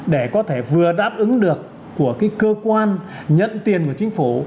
để có thể vừa đáp ứng được của cơ quan nhận tiền của chính phủ